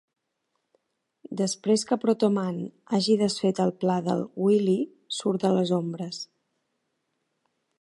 Després que Proto Man hagi desfet el pla del Wily, surt de les ombres.